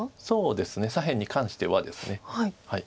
そうですね左辺に関してはです。